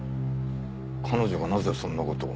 彼女がなぜそんな事を。